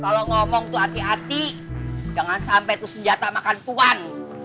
kalau ngomong tuh hati hati jangan sampai itu senjata makan tuan